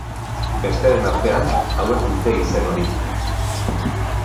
Besteren artean hauek dute izen hori.